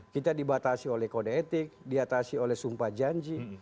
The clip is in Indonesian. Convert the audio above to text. kita dibatasi oleh kode etik diatasi oleh sumpah janji